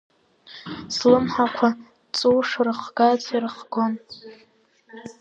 Слымҳақәа ҵуу шрыхгац ирыхгон.